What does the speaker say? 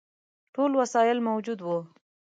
ټول وسایل موجود وه.